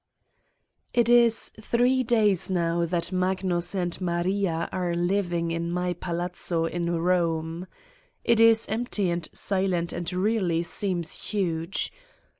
It is three days now that Magnus and Maria are living in my palazzo in Eome. It is empty and silent and really seems huge.